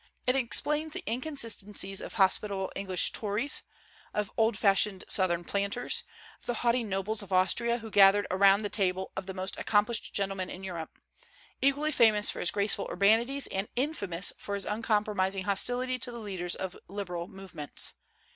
It explains the inconsistencies of hospitable English Tories, of old fashioned Southern planters, of the haughty nobles of Austria who gathered around the table of the most accomplished gentleman in Europe, equally famous for his graceful urbanities and infamous for his uncompromising hostility to the leaders of liberal movements.